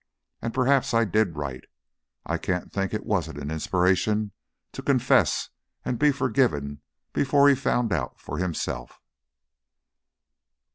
And perhaps I did right. I can't think it wasn't an inspiration to confess and be forgiven before he found out for himself."